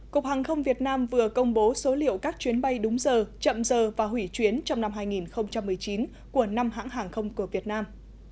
cục hàng không việt nam vừa công bố số liệu các chuyến bay đúng giờ chậm giờ và hủy chuyến trong năm hai nghìn một mươi chín của năm hãng hàng không của việt nam